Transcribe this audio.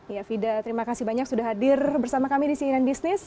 ya fida terima kasih banyak sudah hadir bersama kami di cnn business